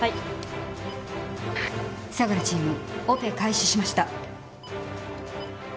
相良チームオペ開始しました。